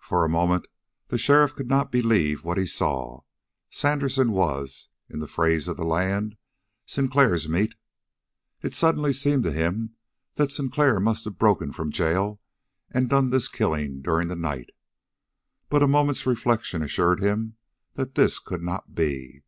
For a moment the sheriff could not believe what he saw. Sandersen was, in the phrase of the land, "Sinclair's meat." It suddenly seemed to him that Sinclair must have broken from jail and done this killing during the night. But a moment's reflection assured him that this could not be.